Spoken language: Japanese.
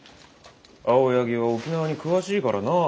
青柳は沖縄に詳しいからなあ。